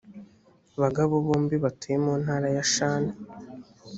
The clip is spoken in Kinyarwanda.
bagabo bombi batuye mu ntara ya shan